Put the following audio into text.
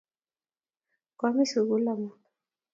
koamii sukul omut